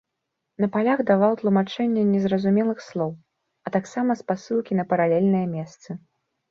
На палях даваў тлумачэнне незразумелых слоў, а таксама спасылкі на паралельныя месцы.